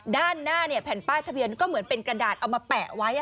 ด้านหน้าแผ่นป้ายทะเบียนก็เหมือนเป็นกระดาษเอามาแปะไว้